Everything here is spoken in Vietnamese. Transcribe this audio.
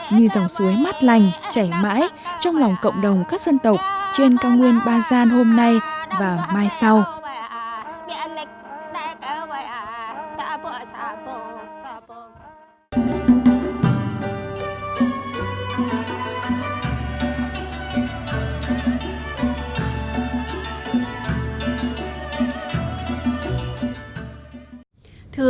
như dòng suối mát lành chảy mãi trong lòng cộng đồng các dân tộc trên cao nguyên ba gian hôm nay và mai sau